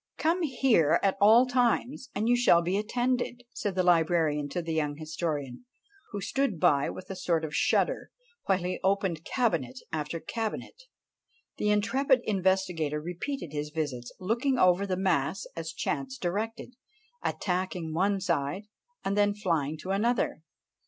come here at all times, and you shall be attended!" said the librarian to the young historian, who stood by with a sort of shudder, while he opened cabinet after cabinet. The intrepid investigator repeated his visits, looking over the mass as chance directed, attacking one side, and then flying to another.